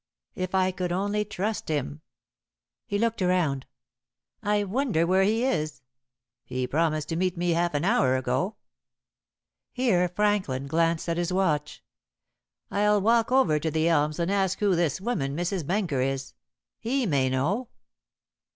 If I could only trust him?" He looked round. "I wonder where he is? He promised to meet me half an hour ago." Here Franklin glanced at his watch. "I'll walk over to The Elms and ask who this woman, Mrs. Benker, is. He may know."